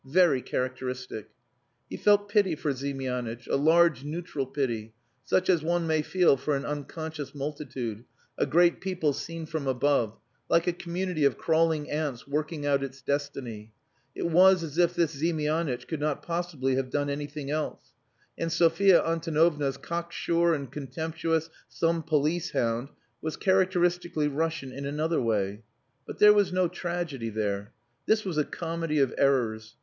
Very characteristic." He felt pity for Ziemianitch, a large neutral pity, such as one may feel for an unconscious multitude, a great people seen from above like a community of crawling ants working out its destiny. It was as if this Ziemianitch could not possibly have done anything else. And Sophia Antonovna's cocksure and contemptuous "some police hound" was characteristically Russian in another way. But there was no tragedy there. This was a comedy of errors.